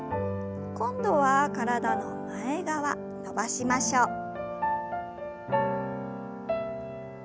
今度は体の前側伸ばしましょう。